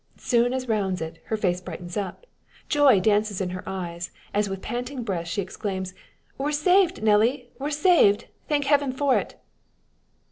Soon as round it, her face brightens up, joy dances in her eyes, as with panting breath she exclaims: "We're saved, Nelly! We're saved! Thank Heaven for it!"